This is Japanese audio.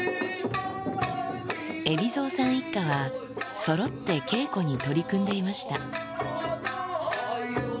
海老蔵さん一家は、そろって稽古に取り組んでいました。